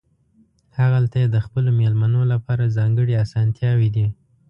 هغلته یې د خپلو مېلمنو لپاره ځانګړې اسانتیاوې دي.